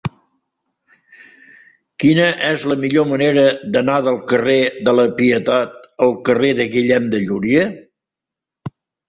Quina és la millor manera d'anar del carrer de la Pietat al carrer de Guillem de Llúria?